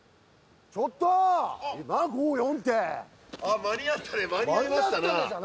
間に合ったね、間に合いましたな。